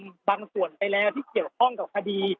บางส่วนไปแล้วที่เกี่ยวข้องกับคดี